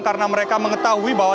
karena mereka mengetahui bahwa